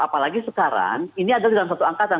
apalagi sekarang ini adalah dalam satu angkatan